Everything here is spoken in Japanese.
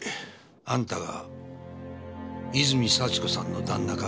あんたが泉幸子さんの旦那か？